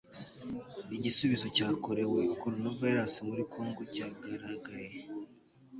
igisubizo cyakorewe coronavirus muri congo cyagaragaye